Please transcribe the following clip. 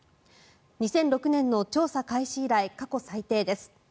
２００６年の調査開始以来過去最低です。